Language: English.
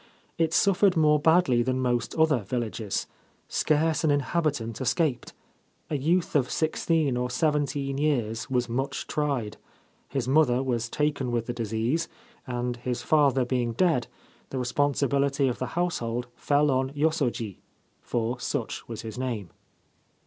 It suffered more badly than most other villages. Scarce an inhabitant escaped. A youth of sixteen or seventeen years was much tried. His mother was taken with the disease, and, his father being dead, the responsibility of the household fell on Yosoji — for such was his name.